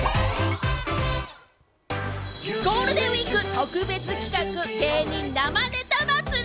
ゴールデンウイーク特別企画・芸人生ネタ祭！